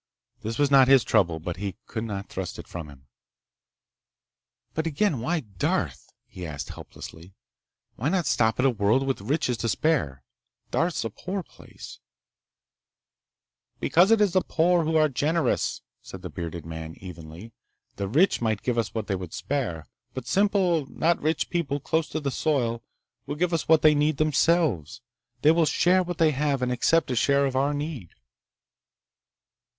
This was not his trouble, but he could not thrust it from him. "But again—why Darth?" he asked helplessly. "Why not stop at a world with riches to spare? Darth's a poor place—" "Because it is the poor who are generous," said the bearded man evenly. "The rich might give us what they could spare. But simple, not rich people, close to the soil, will give us what they need themselves. They will share what they have, and accept a share of our need."